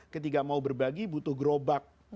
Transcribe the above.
ketika mau berbagi butuh gerobak